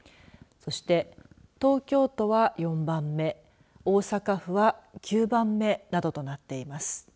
そして、東京都は４番目大阪府は９番目などとなっています。